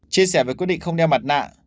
chia sẻ về quyết định không đeo mặt nạ